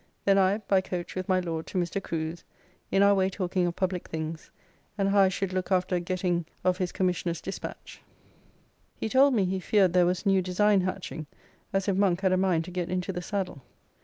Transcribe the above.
Then I, by coach with my Lord, to Mr. Crew's, in our way talking of publick things, and how I should look after getting of his Commissioner's despatch. He told me he feared there was new design hatching, as if Monk had a mind to get into the saddle.